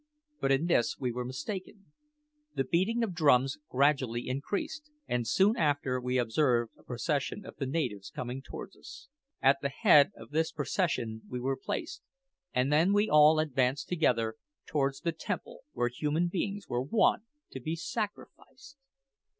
But in this we were mistaken. The beating of drums gradually increased, and soon after we observed a procession of the natives coming towards us. At the head of this procession we were placed, and then we all advanced together towards the temple where human victims were wont to be sacrificed!